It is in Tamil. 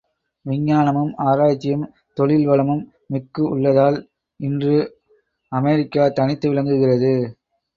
விஞ்ஞானமும் ஆராய்ச்சியும் தொழில் வளமும் மிக்கு உள்ளதால் இன்று அமெரிக்கா தனித்து விளங்குகிறது.